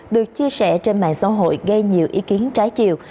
được chia sẻ trên mạng xã hội gây nhiều ý kiến trái chiều